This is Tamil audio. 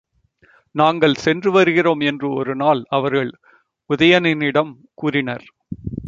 நாங்கள் சென்று வருகிறோம் என்று ஒருநாள் அவர்கள் உதயணனிடம் கூறினர்.